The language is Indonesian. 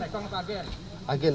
tekong atau agen